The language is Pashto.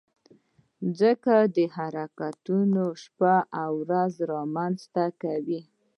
د ځمکې حرکتونه شپه او ورځ رامنځته کوي.